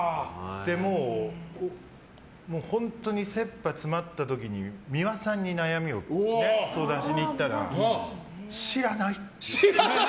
本当に切羽詰まった時に美輪さんに悩みを相談しにいったら知らないって。